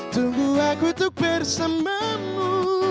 tunggu aku untuk bersamamu